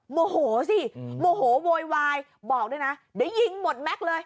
โมโหสิโมโหโวยวายบอกด้วยนะเดี๋ยวยิงหมดแม็กซ์เลย